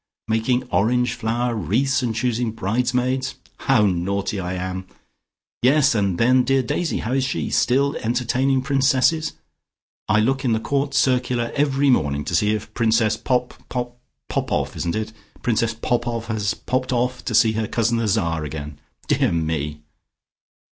Making orange flower wreaths, and choosing bridesmaids? How naughty I am! Yes. And then dear Daisy? How is she? Still entertaining princesses? I look in the Court Circular every morning to see if Princess Pop Pop Popoff isn't it? if Princess Popoff has popped off to see her cousin the Czar again. Dear me!"